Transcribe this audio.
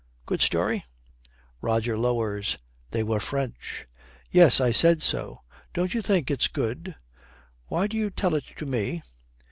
Good story?' Roger lowers. 'They were French.' 'Yes, I said so. Don't you think it's good?' 'Why do you tell it to me?'